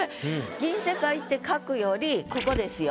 「銀世界」って書くよりここですよ。